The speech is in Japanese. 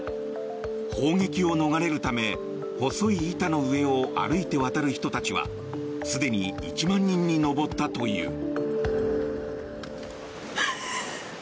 砲撃を逃れるため細い板の上を歩いて渡る人たちはすでに１万人に上ったという。